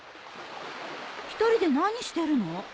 １人で何してるの？